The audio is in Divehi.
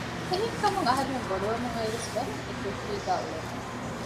އެހެންކަމުން އަހަރުމެން ބޮޑުވަމުން އައީވެސް ވަރަށް އެކު އެކީގައި އުޅެމުން